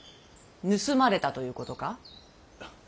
盗まれたということか？